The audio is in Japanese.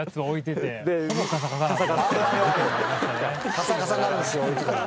カサカサなるんすよ置いてたら。